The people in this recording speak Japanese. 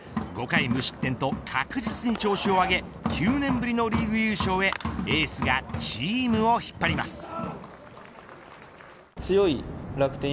５回無失点と確実に調子を上げ９年ぶりのリーグ優勝へエースがチームを引っ張ります。